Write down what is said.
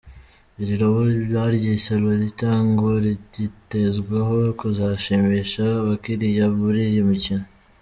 Iri robo baryise Lolita, ngo ryitezweho kuzashimisha abakiriya muri iyi mikino.